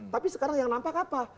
tapi sekarang yang nampak apa